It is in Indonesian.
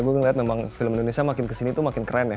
gue ngeliat memang film indonesia makin kesini tuh makin keren ya